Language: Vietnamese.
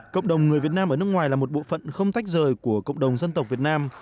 cộng đồng người việt nam ở nước ngoài là một bộ phận không tách rời của cộng đồng dân tộc việt nam